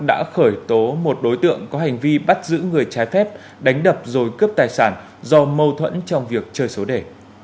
đã khởi tố một đối tượng có hành vi bắt giữ người trái phép đánh đập rồi cướp tài sản do mâu thuẫn trong việc chơi số đề